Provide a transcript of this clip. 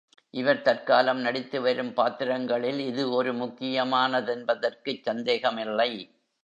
இவர் தற்காலம் நடித்து வரும் பாத்திரங்களில் இது ஒரு முக்கியமானதென்பதற்குச் சந்தேகமில்லை.